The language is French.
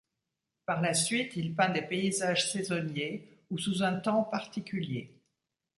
Par la suite, il peint des paysages saisonniers, ou sous un temps particulier.